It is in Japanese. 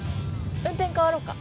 運転代わろうか？